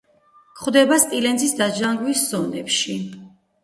გვხვდება სპილენძის დაჟანგვის ზონებში.